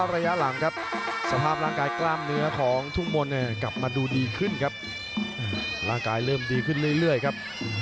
ร่างกายเริ่มดีขึ้นเรื่อยครับ